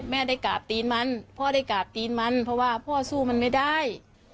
แม่ได้กราบตีนมันพ่อได้กราบตีนมันเพราะว่าพ่อสู้มันไม่ได้